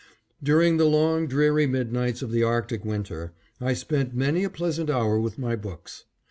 During the long dreary midnights of the Arctic winter, I spent many a pleasant hour with my books.